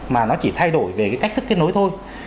mà nó chỉ thay đổi về cái cách thức kết nối thôi